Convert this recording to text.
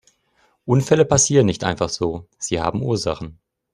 Unfälle passieren nicht einfach so, sie haben Ursachen.